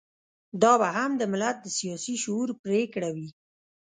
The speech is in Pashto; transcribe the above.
دا به هم د ملت د سياسي شعور پرېکړه وي.